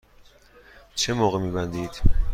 چه موقع می بندید؟